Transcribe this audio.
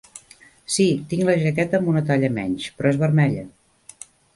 Sí, tinc la jaqueta amb una talla menys, però és vermella.